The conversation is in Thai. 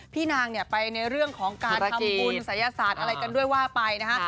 พี่นางเนี่ยไปในเรื่องของการทำบุญศัยศาสตร์อะไรกันด้วยว่าไปนะฮะ